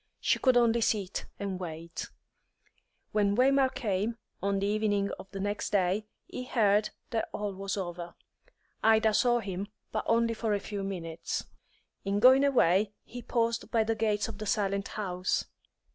She could only sit and wait. When Waymark came, on the evening of the next day, he heard that all was over. Ida saw him, but only for a few minutes. In going away, he paused by the gates of the silent house.